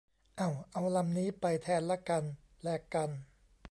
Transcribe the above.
เอ้า เอาลำนี้ไปแทนละกัน แลกกัน